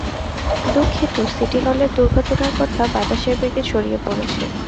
দুঃখিত, সিটি হলের দূর্ঘটনার কথা বাতাসের বেগে ছড়িয়ে পড়েছে।